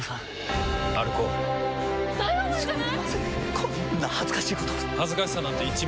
こんな恥ずかしいこと恥ずかしさなんて１ミリもない。